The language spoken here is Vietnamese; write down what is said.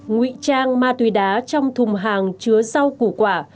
ngụy trang ma túy đá trong thùng hàng chứa rau củ quả